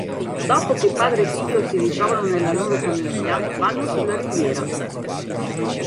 Dopo che padre e figlio si ritrovano nella loro famiglia, vanno sulla Riviera.